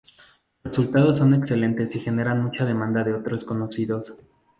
Los resultados son excelentes y generan mucha demanda de otros conocidos.